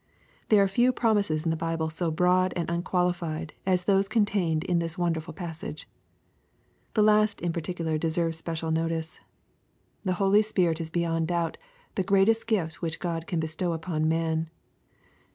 '' There are few promises in the Bible so broad and unqualified as those contained in this wonderful passage. The last in particular deserves especial notice. The Holy Spirit is beyond doubt the greatest gift which Grod can bestow upon man.